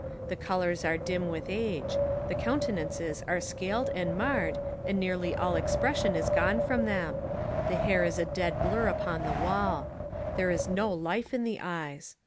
The col ours are dim with age; the countenances are scaled and marred and nearly all expression is gone from them; the hair is a dead blur upon the wall. There is no life in the eyes.